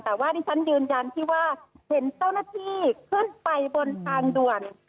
แต่ว่าที่ฉันยืนยันที่ว่าเห็นเจ้าหน้าที่ขึ้นไปบนทางด่วน